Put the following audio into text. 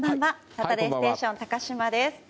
「サタデーステーション」高島です。